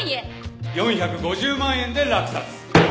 ４５０万円で落札。